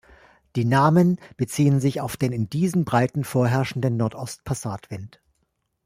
Die Namen beziehen sich auf den in diesen Breiten vorherrschenden Nordost-Passatwind.